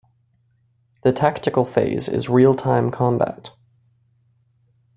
The tactical phase is real-time combat.